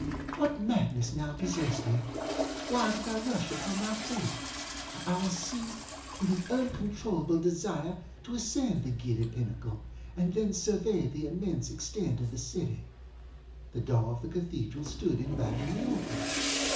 What madness now possessed me? Why did I rush upon my fate? I was seized with an uncontrollable desire to ascend the giddy pinnacle, and then survey the immense extent of the city. The door of the cathedral stood invitingly open.